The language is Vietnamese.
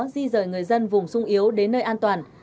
di rời người dân vùng sung yếu đến nơi an toàn